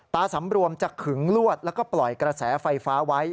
สำรวมจะขึงลวดแล้วก็ปล่อยกระแสไฟฟ้าไว้